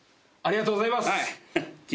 ありがとうございます。